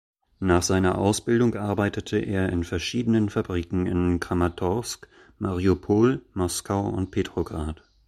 Nach seiner Ausbildung arbeitete er in verschiedenen Fabriken in Kramatorsk, Mariupol, Moskau und Petrograd.